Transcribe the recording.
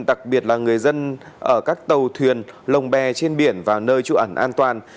đặc biệt là người dân ở các tàu thuyền lồng bè trên biển vào nơi trụ ẩn an toàn